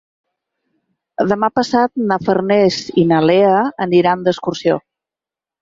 Demà passat na Farners i na Lea aniran d'excursió.